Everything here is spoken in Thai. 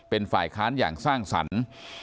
เป็นฝ่ายค้านอย่างสร้างสรรค์